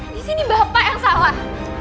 disini bapak yang salah